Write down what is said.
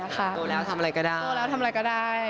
โด่แล้วทำอะไรก็ได้